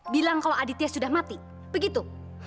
bilang kalau aditya sudah mati begitu